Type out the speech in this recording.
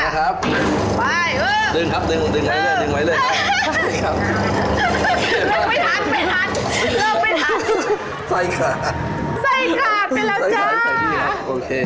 สายขาดเป็นแล้วจ้าอีกแล้วครับโอเค